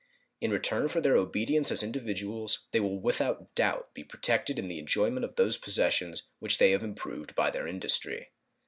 In return for their obedience as individuals they will without doubt be protected in the enjoyment of those possessions which they have improved by their industry.